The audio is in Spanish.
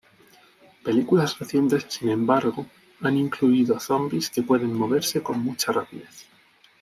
Películas recientes, sin embargo, han incluido zombis que pueden moverse con mucha rapidez.